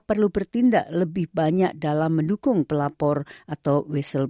pemerintah al jazeera mencari keamanan di israel